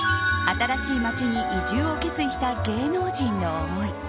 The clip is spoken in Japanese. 新しい街に移住を決意した芸能人の思い。